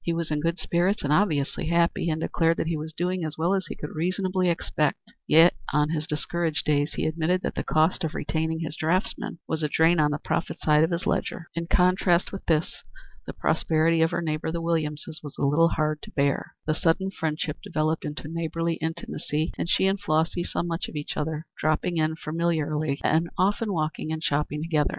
He was in good spirits and obviously happy, and declared that he was doing as well as he could reasonably expect; yet on his discouraged days he admitted that the cost of retaining his draughtsmen was a drain on the profit side of his ledger. In contrast with this the prosperity of her neighbors the Williamses was a little hard to bear. The sudden friendship developed into neighborly intimacy, and she and Flossy saw much of each other, dropping in familiarly, and often walking and shopping together.